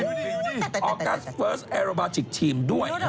ออกัสเฟิร์สแอโรบาจิกทีมด้วย